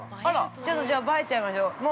ちょっとじゃあ映えちゃいましょう。